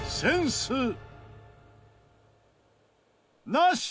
なし！